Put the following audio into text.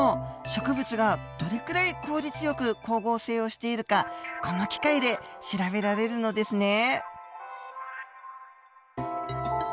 植物がどれくらい効率よく光合成をしているかこの機械で調べられるのですね。